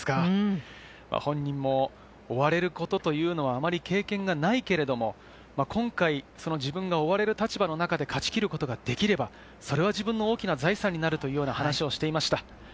本人も追われることというのはあまり経験がないけれど、今回、自分が追われる立場の中で勝ちきることができれば、それは自分の大きな財産になると話していました。